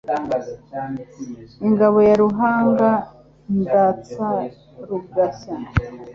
Ingabo ya Ruhanga ndatsa rugashya.